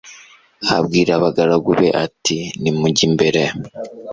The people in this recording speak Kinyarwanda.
abwira abagaragu be ati nimunjye imbere